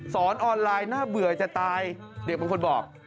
สอนออนไลน์น่าเบื่อจะตายเด็กบางคนบอก